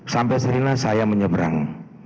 sampai sarina saya menyebrang